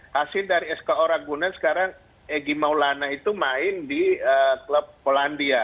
hasil dari sko ragunan sekarang egy maulana itu main di klub polandia